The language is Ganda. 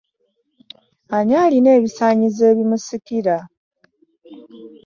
Ani alina ebisaanyizo ebimusikira?